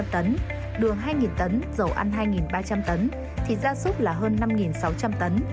năm hai trăm linh tấn đường hai tấn dầu ăn hai ba trăm linh tấn thịt da súp là hơn năm sáu trăm linh tấn